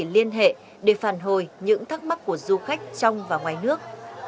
liên hệ để phản hồi những thắc mắc của du khách trong và ngoài nước